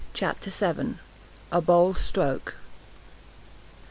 CHAPTER vii. A BOLD STROKE.